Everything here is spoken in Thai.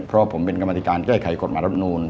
เพราะผมเป็นกรรมธิการแก้ไขกฎหมายรับนูล